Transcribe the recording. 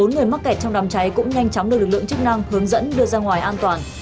bốn người mắc kẹt trong đám cháy cũng nhanh chóng được lực lượng chức năng hướng dẫn đưa ra ngoài an toàn